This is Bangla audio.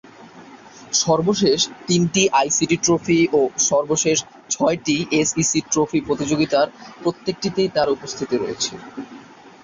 সর্বশেষ তিনটি আইসিসি ট্রফি ও সর্বশেষ ছয়টি এসিসি ট্রফি প্রতিযোগিতার প্রত্যেকটিতেই তার উপস্থিতি রয়েছে।